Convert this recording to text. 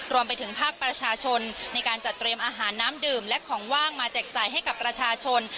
รวมไปถึงภาคประชาชนในการจัดเตรียมอาหารน้ำดื่มและของว่างมาแจกจ่ายให้กับประชาชน